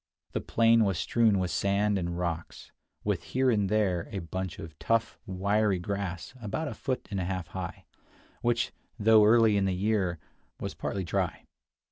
The plain was strewn with sand and rocks, with here and there a bunch of tough, wiry grass about a foot and a half high, which, though early in the year, was partly dry.